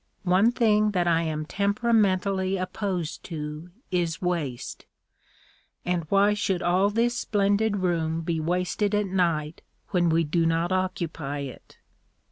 One thing that I am temperamentally opposed to is waste, and why should all this splendid room be wasted at night when we do not occupy it?